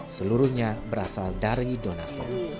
seluruhnya berasal dari donato